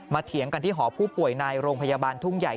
เถียงกันที่หอผู้ป่วยในโรงพยาบาลทุ่งใหญ่